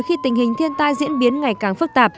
khi tình hình thiên tai diễn biến ngày càng phức tạp